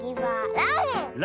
ラーメン！